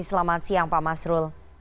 selamat siang pak masrul